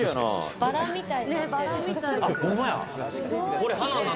バラみたい。